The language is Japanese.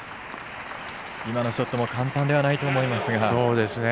今のショットも簡単ではないと思いますが。